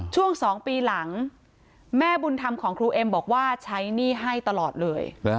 ช่วง๒ปีหลังแม่บุญธรรมของครูเอ็มบอกว่าใช้หนี้ให้ตลอดเลย